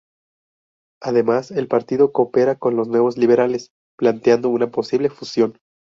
Además, el partido coopera con los Nuevos Liberales, planteando una posible fusión.